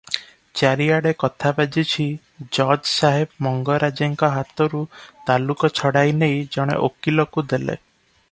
ଚାରିଆଡ଼େ କଥା ବାଜିଛି, ଜଜସାହେବ ମଙ୍ଗରାଜେଙ୍କ ହାତରୁ ତାଲୁକ ଛଡ଼ାଇନେଇ ଜଣେ ଓକିଲକୁ ଦେଲେ ।